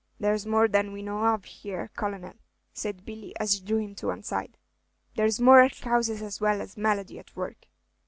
"There's more than we know of here, Colonel," said Billy, as he drew him to one side. "There's moral causes as well as malady at work."